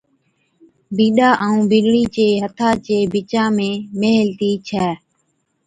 بِينڏا ائُون بِينڏڙِي چي ھٿان چي بِچا ۾ ميھيلتِي ڇَي